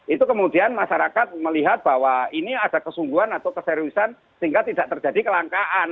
itu kemudian masyarakat melihat bahwa ini ada kesungguhan atau keseriusan sehingga tidak terjadi kelangkaan